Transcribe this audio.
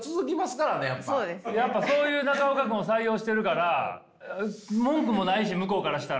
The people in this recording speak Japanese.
やっぱそういう中岡君を採用してるから文句もないし向こうからしたら。